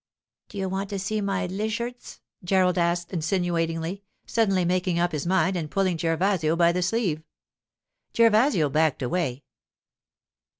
'Do you want to see my lizhyards?' Gerald asked insinuatingly, suddenly making up his mind and pulling Gervasio by the sleeve. Gervasio backed away.